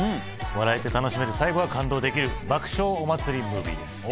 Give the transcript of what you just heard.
笑えて楽しめる最後は感動できる爆笑お祭りムービーです。